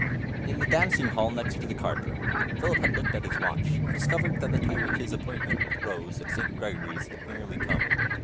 X. In the dancing hall next to the card room, Philip had looked at his watch, and discovered that the time of his appointment with Rose at St. Gregory's had nearly come.